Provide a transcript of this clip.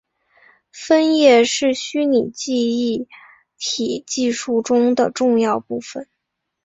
分页是虚拟记忆体技术中的重要部份。